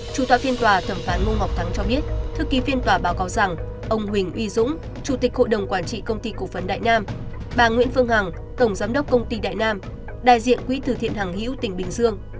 chủ tịch hội đồng quản trị công ty cộng phấn đại nam bà nguyễn phương hằng tổng giám đốc công ty đại nam đại diện quỹ thử thiện hằng hữu tỉnh bình dương